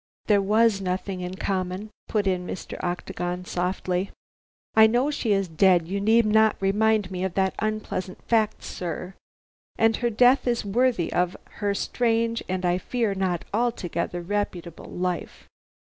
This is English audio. "There was nothing in common," put in Octagon softly. "I know she is dead. You need not remind me of that unpleasant fact, sir. And her death is worthy of her strange, and I fear not altogether reputable life."